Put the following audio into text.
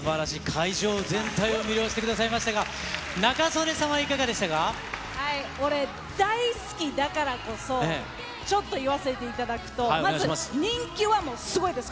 会場全体を魅了してくださいましたが、俺、大好きだからこそ、ちょっと言わせていただくと、まず人気はもうすごいです。